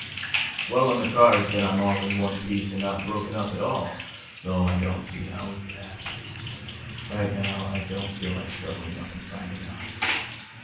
It's well on the cards that I'm all in one piece and not broken up at all, though I don't see how it could happen. Right now I don't feel like struggling up and finding out.